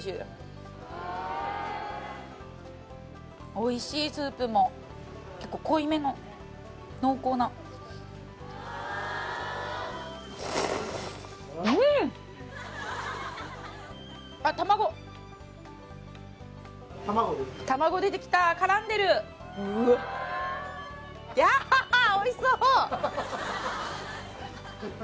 おいしいスープも結構濃いめの濃厚なあっ卵出てきた卵出てきた絡んでるうわハハッおいしそう！